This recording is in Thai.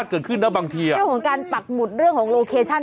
เรื่องของการปักหมุดเรื่องของโลเคชัน